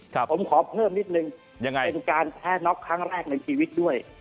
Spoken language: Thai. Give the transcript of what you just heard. ผมขอเพิ่มนิดนึงยังไงเป็นการแพ้น็อกครั้งแรกในชีวิตด้วย